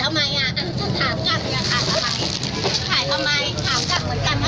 ก็ถ่ายก่อนไหมคะ